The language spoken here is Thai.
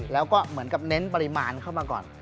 แล้วก็เหมือนกับเน้นปริมาณเข้ามาก่อน